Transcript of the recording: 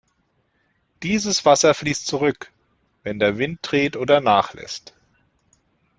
Dieses Wasser fließt zurück, wenn der Wind dreht oder nachlässt.